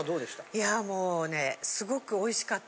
いやもうねすごくおいしかった。